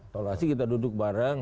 evaluasi kita duduk bareng